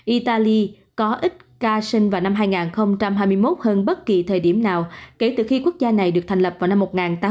italy có ít ca sinh vào năm hai nghìn hai mươi một hơn bất kỳ thời điểm nào kể từ khi quốc gia này được thành lập vào năm một nghìn tám trăm tám mươi